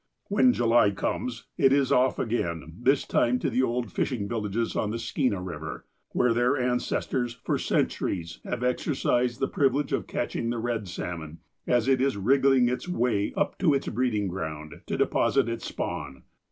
When July comes, it is off again, this time to the old fishing villages on the Skeena River, where their ances tors, for centuries, have exercised the privilege of catch ing the red salmon, as it is wriggling its way up to its breeding ground, to deposit its spawn.